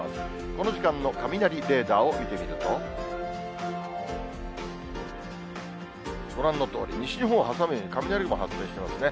この時間の雷レーダーを見てみると、ご覧のとおり、西日本を挟むように雷雲発生してますね。